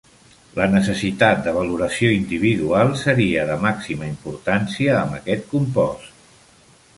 La necessitat de valoració individual seria de màxima importància amb aquest compost.